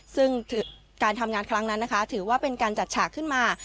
ซึ่งการทำงานครั้งนั้นนะคะถือว่าเป็นการจัดฉากขึ้นมา